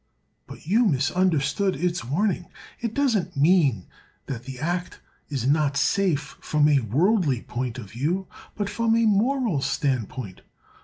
But you misunderstand its warning. It doesn't mean that the act is not safe from a worldly point of view, but from a moral standpoint.